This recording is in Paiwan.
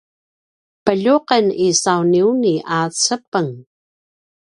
pelju’en isauniuni a cepeng